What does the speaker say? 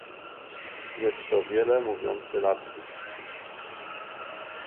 Jest to wiele mówiący lapsus